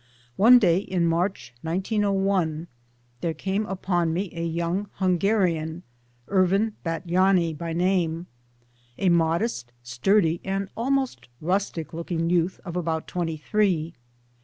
One day in March 1901 there called upon me a young Hungarian Ervin Batthyany by name a modest, sturdy and almost rustic looking youth of about twenty three.